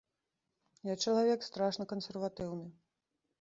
Я чалавек страшна кансерватыўны.